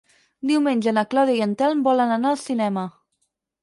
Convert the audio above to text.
Diumenge na Clàudia i en Telm volen anar al cinema.